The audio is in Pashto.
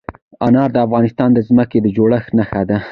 انار د افغانستان د ځمکې د جوړښت نښه ده.